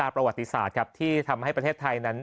ประวัติศาสตร์ที่ทำให้ประเทศไทยนั้น